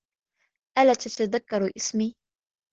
ألا تتذكر إسمي؟